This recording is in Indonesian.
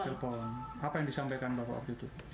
telepon apa yang disampaikan bapak waktu itu